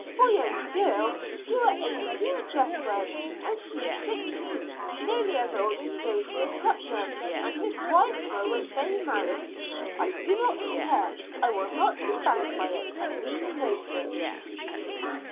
"Boy and girl! You were eighteen, Jethro; and she sixteen nearly as old as Joseph Putnam and his wife were when they married." "I do not care. I will not be bound by it; and Leah knows it."